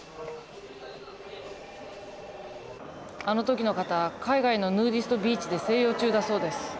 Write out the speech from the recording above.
あの時の方海外のヌーディストビーチで静養中だそうです。